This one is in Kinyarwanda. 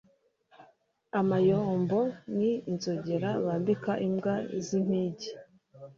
Amayombo ni Inzogera bambika imbwa y'impigi.